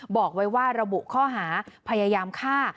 บอกไว้ว่าระบุข้อหาพยายามฆ่า